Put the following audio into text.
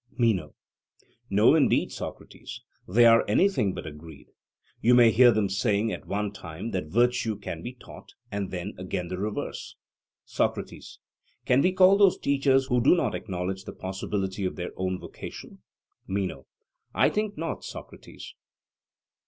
MENO: No indeed, Socrates, they are anything but agreed; you may hear them saying at one time that virtue can be taught, and then again the reverse. SOCRATES: Can we call those teachers who do not acknowledge the possibility of their own vocation? MENO: I think not, Socrates.